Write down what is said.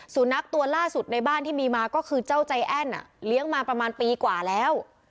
สุนัขตัวล่าสุดในบ้านที่มีมาก็คือเจ้าใจแอ้นเลี้ยงมาประมาณปีกว่าแล้ว